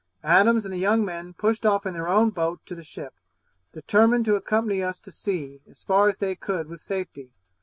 Adams and the young men pushed off in their own boat to the ship, determined to accompany us to sea, as far as they could with safety.